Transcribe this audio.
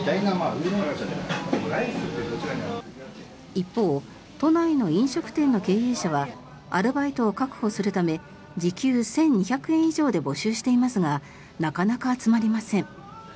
一方、都内の飲食店の経営者はアルバイトを確保するため時給１２００円以上で募集していますがなかなか集まりません。